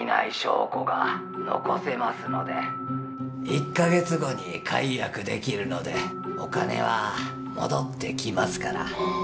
１か月後に解約できるのでお金は戻ってきますから。